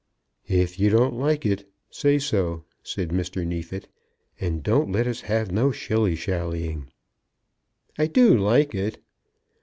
"If you don't like it, say so," said Mr. Neefit; "and don't let us have no shilly shallying." "I do like it."